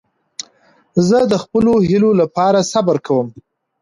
زه د خپلو هیلو له پاره صبر کوم.